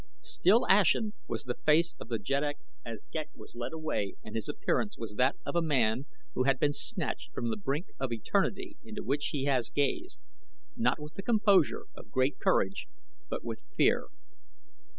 Still ashen was the face of the jeddak as Ghek was led away and his appearance was that of a man who had been snatched from the brink of eternity into which he has gazed, not with the composure of great courage, but with fear.